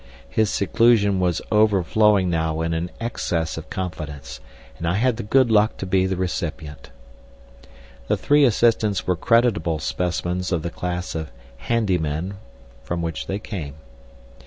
His seclusion was overflowing now in an excess of confidence, and I had the good luck to be the recipient. The three assistants were creditable specimens of the class of "handy men" from which they came.